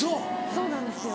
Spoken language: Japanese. そうなんですよ。